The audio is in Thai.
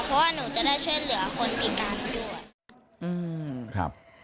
เพราะว่าหนูจะได้ช่วยเหลือคนติดตามด้วย